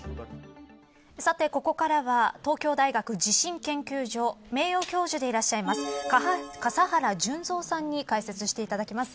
ここからは東京大学地震研究所名誉教授でいらっしゃいます笠原順三さんに解説していただきます。